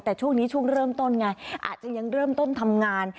แต่ช่วงนี้ช่วงเริ่มต้นไงอาจจะยังเริ่มต้นทำงาน